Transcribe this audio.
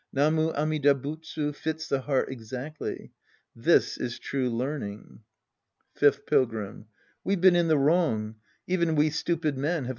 " Namu Amida Butsu " fits the heart exactly. This is true learning. Fifth Pilgrim. We've been in the wrong. Even we stupid men ha', e un.